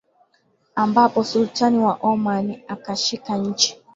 ambapo Sultan wa Oman akashika nchi